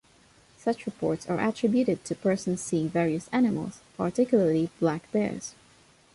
Such reports are attributed to persons seeing various animals, particularly black bears.